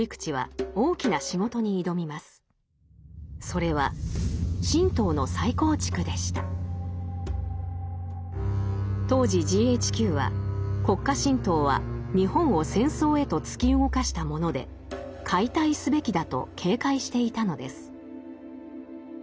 それは当時ＧＨＱは国家神道は日本を戦争へと突き動かしたもので解体すべきだと警戒していたのです。